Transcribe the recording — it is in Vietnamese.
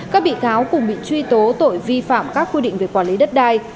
các bị cáo cùng bị truy tố tội vi phạm các quy định về quản lý đất đai